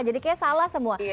jadi kayaknya salah semua